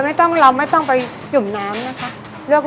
จริงจริงเราไม่ต้องไปจุ่มน้ำนะค่ะ